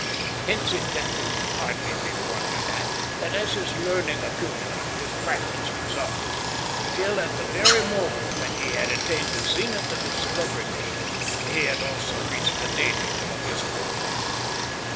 Hence it can hardly be wondered at that as his learning accumulated his practice dissolved, until at the very moment when he had attained the zenith of his celebrity he had also reached the nadir of his fortunes.